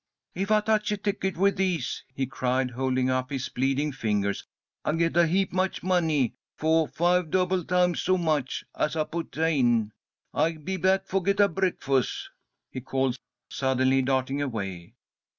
"If I toucha ticket with these," he cried, holding up his bleeding fingers, "I geta heap much money; fo', five double times so much as I puta in. I be back fo' geta breakfus'," he called, suddenly darting away.